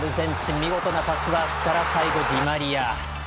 見事なパスワークから最後はディマリア。